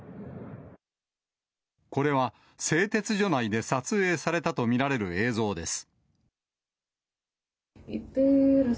これは、製鉄所内で撮影されたと見られる映像です。